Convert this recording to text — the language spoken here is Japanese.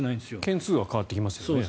件数は変わってきますよね。